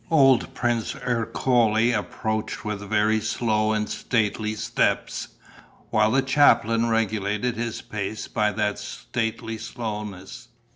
Old Prince Ercole approached with very slow and stately steps, while the chaplain regulated his pace by that stately slowness.